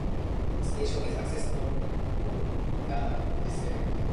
The station is accessible for the disabled.